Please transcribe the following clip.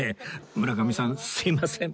村上さんすみません